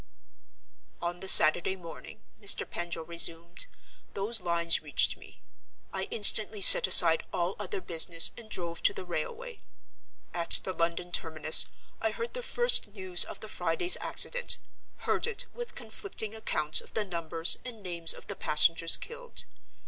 "On the Saturday morning," Mr. Pendril resumed, "those lines reached me. I instantly set aside all other business, and drove to the railway. At the London terminus, I heard the first news of the Friday's accident; heard it, with conflicting accounts of the numbers and names of the passengers killed.